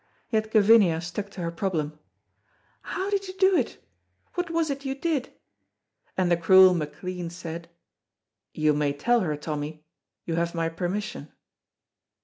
Yet Gavinia stuck to her problem, "How did you do it, what was it you did?" and the cruel McLean said: "You may tell her, Tommy; you have my permission."